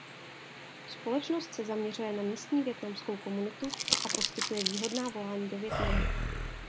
Společnost se zaměřuje na místní vietnamskou komunitu a poskytuje výhodná volání do Vietnamu.